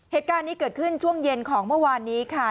เหตุการณ์นี้เกิดขึ้นช่วงเย็นของเมื่อวานนี้ค่ะ